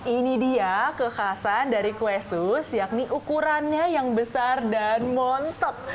ini dia kekhasan dari kue sus yakni ukurannya yang besar dan montok